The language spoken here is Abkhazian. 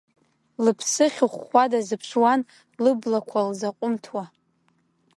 Лыԥсы ахьыхәхәа дазыԥшуан, лыблақәа лзаҟәымҭхауа.